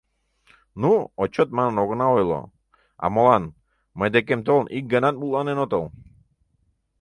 Ну, отчёт манын огына ойло... а молан, мый декем толын, ик ганат мутланен отыл?